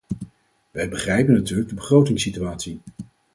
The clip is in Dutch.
Wij begrijpen natuurlijk de begrotingssituatie.